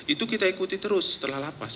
itu kita ikuti terus setelah lapas